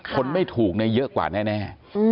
คนไม่ถูกเยอะกว่าแน่